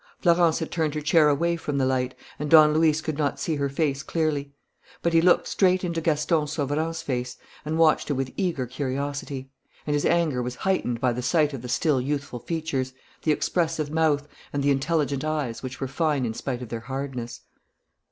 Florence had turned her chair away from the light, and Don Luis could not see her face clearly. But he looked straight into Gaston Sauverand's face and watched it with eager curiosity; and his anger was heightened by the sight of the still youthful features, the expressive mouth, and the intelligent eyes, which were fine in spite of their hardness.